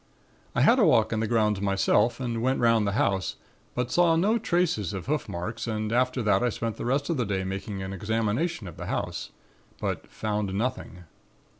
"I had a walk in the grounds myself and went 'round the house, but saw no traces of hoof marks and after that I spent the rest of the day making an examination of the house, but found nothing.